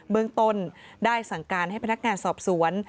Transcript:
เมืองต้นได้สั่งการให้พนักงานสอบสวน